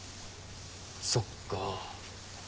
そっか。